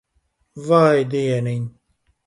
Vai dieniņ.